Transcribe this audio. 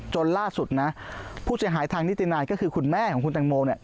จนล่าสุดนะผู้เสียหายทางนิตินายก็คือคุณแม่ของคุณแตงโมเนี่ย